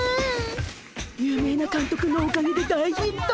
有名なかんとくのおかげで大ヒット！